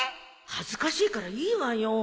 恥ずかしいからいいわよ。